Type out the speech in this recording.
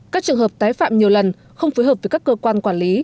các trường hợp tái phạm nhiều lần không phối hợp với các cơ quan quản lý